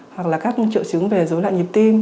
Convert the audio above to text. hoặc là các triệu chứng về dối loạn nhịp tim